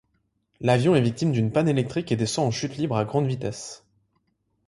L'avion est victime d'une panne électrique et descend en chute libre à grande vitesse.